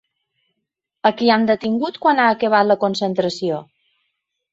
A qui han detingut quan ha acabat la concentració?